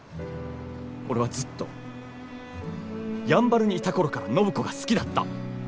俺はずっとやんばるにいた頃から暢子が好きだった。